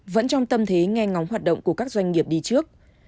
vẫn trong tâm thế nghe ngóng hoạt động của các doanh nghiệp đi trước